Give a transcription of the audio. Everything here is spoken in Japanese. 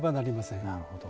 なるほど。